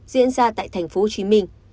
diễn ra tại tp hcm